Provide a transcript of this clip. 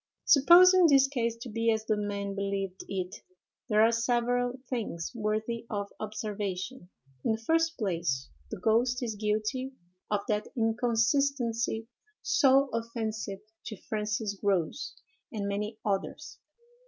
Supposing this case to be as the men believed it, there are several things worthy of observation. In the first place, the ghost is guilty of that inconsistency so offensive to Francis Grose and many others.